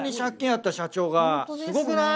すごくない？